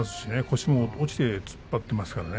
腰も落ちて突っ張っていますからね。